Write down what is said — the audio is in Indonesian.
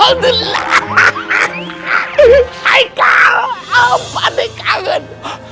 alhamdulillah maikal apaan deh kangen